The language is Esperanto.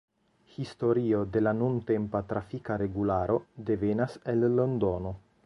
Historio de la nuntempa trafika regularo devenas el Londono.